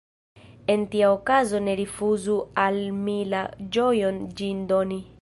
En tia okazo ne rifuzu al mi la ĝojon ĝin doni.